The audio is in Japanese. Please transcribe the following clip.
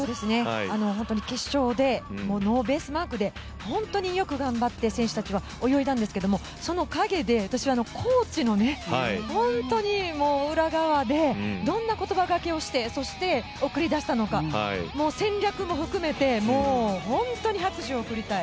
本当に決勝でノーベースマークで本当によく頑張って選手たちは泳いだんですけどその陰で私はコーチの本当に、裏側でどんな言葉がけをしてそして送り出したのか戦略も含めて本当に拍手を送りたい。